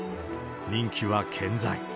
人気は健在。